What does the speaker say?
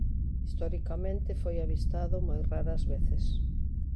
Historicamente foi avistado moi raras veces.